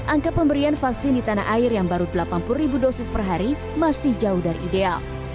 angka pemberian vaksin di tanah air yang baru delapan puluh ribu dosis per hari masih jauh dari ideal